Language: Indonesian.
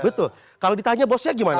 betul kalau ditanya bosnya gimana